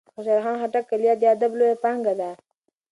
د خوشال خان خټک کلیات د ادب لویه پانګه ده.